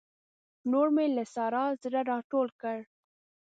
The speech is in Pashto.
نور مې له سارا زړه راټول کړ.